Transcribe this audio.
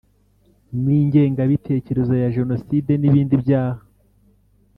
N ingengabitekerezo ya jenocide n ibindi byaha